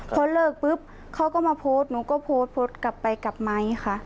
พอเลิกปุ๊บเขาก็มาโพสต์หนูก็โพสต์โพสต์กลับไปกลับไมค์ค่ะ